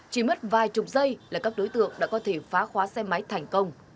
chỉ mất vài chục giây là các đối tượng đã có thể phá khóa xe máy thành công